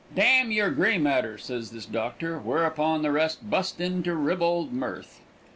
"Damn your Gray matter," says this doctor, whereupon the rest bust into ribald mirth.